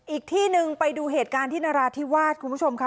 อีกที่หนึ่งไปดูเหตุการณ์ที่นราธิวาสคุณผู้ชมค่ะ